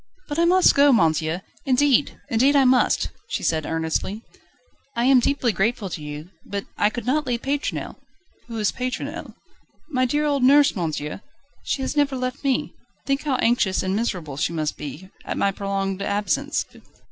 "But I must go, monsieur. Indeed, indeed I must!" she said earnestly. "I am deeply grateful to you, but I could not leave Pétronelle." "Who is Pétronelle?" "My dear old nurse, monsieur. She has never left me. Think how anxious and miserable she must be, at my prolonged absence."